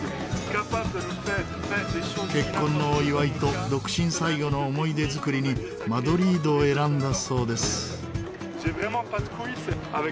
結婚のお祝いと独身最後の思い出づくりにマドリードを選んだそうです。